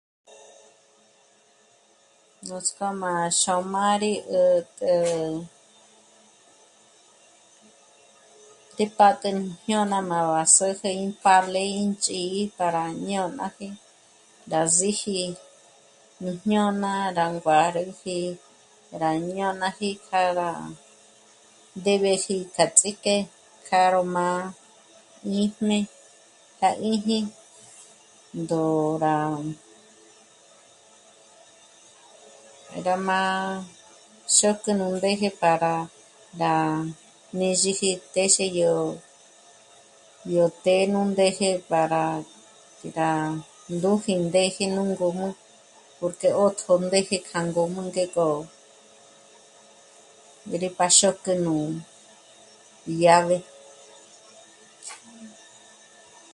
Nuts'k'o má xôm'a rí 'ä̀t'ä ngé pá'tjü nú jñôna rá má sä̀jä ímpàrle ín ch'ǐ'i pa jñônaji rá síji nú jñôna rá nguárüji rá jñônaji para ndéb'eji k'a ts'íjk'e k'a ró má'a ñī́jm'e k'a 'ī́jī ndô rá... rá má... sǚk'ü nú ndéje para rá nězheji téxi yó... yó të́'ë nú ndéje para rá... ndúji ndéji nú ngǔm'ü porque 'ö́jtjö ndéje k'a ngǔm'ü ngék'o rí pa xôpk'ü nú llave